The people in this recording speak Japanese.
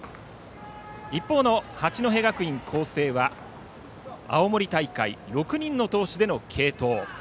一方の八戸学院光星は青森大会、６人の投手での継投。